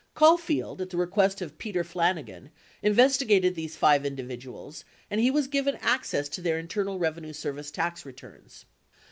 Caulfield, at the request of Peter Flani gan, investigated these five individuals and he was given access to their Internal Revenue Service tax returns.